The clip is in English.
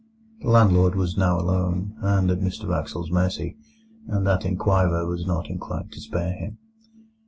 The landlord was now alone, and at Mr Wraxall's mercy; and that inquirer was not inclined to spare him.